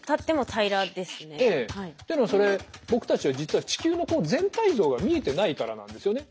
っていうのはそれ僕たちは実は地球の全体像が見えてないからなんですよね。